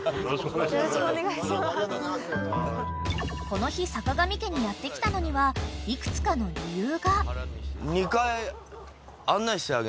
［この日坂上家にやって来たのには幾つかの理由が］